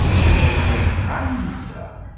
Yuba yella yebɣa anza.